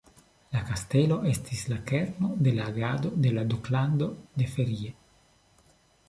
La kastelo estis la kerno de la agado de la Duklando de Feria.